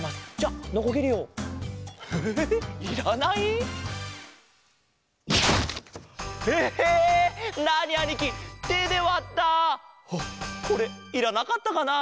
あっこれいらなかったかな？